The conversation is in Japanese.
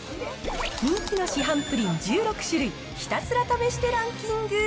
人気の市販プリン１６種類、ひたすら試してランキング。